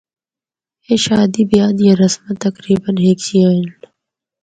اے شادی بیاہ دیاں رسماں تقریبا ہک جیاں ہن۔